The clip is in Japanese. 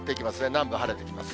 南部晴れてきます。